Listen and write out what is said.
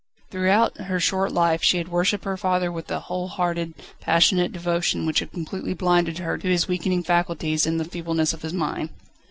Throughout her short life she had worshipped her father with a whole hearted, passionate devotion, which had completely blinded her to his weakening faculties and the feebleness of his mind.